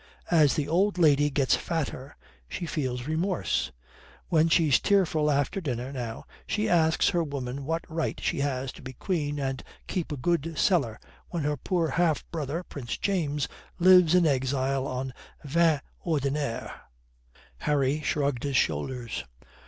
As the old lady gets fatter, she feels remorse. When she's tearful after dinner now she asks her women what right she has to be queen and keep a good cellar while her poor half brother Prince James lives in exile on vin ordinaire." Harry shrugged his shoulders.